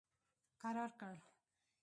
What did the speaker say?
کرار کړ.